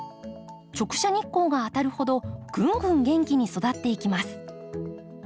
直射日光が当たるほどぐんぐん元気に育っていきます。